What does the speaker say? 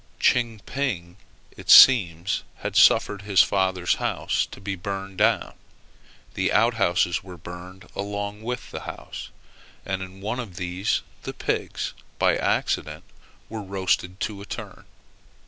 Ching Ping, it seems, had suffered his father's house to be burned down; the outhouses were burned along with the house; and in one of these the pigs, by accident, were roasted to a turn.